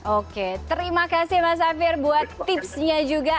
oke terima kasih mas afir buat tipsnya juga